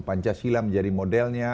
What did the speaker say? pancasila menjadi modelnya